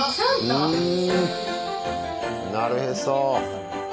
なるへそ。